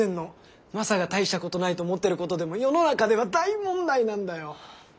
マサが大したことないと思ってることでも世の中では大問題なんだよ。